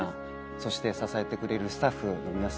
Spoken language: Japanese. そして支えてくれるスタッフの皆さん。